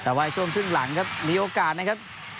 แต่ว่าช่วงครึ่งหลังครับมีโอกาสนะครับ